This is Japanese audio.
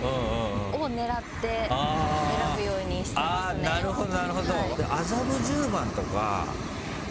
あぁなるほどなるほど。